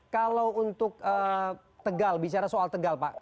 kalau untuk tegal bicara soal tegal pak